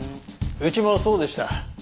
うちもそうでした。